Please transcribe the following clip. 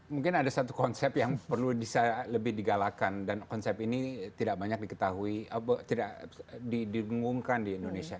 mungkin ada satu konsep yang perlu bisa lebih digalakan dan konsep ini tidak banyak diketahui tidak direngungkan di indonesia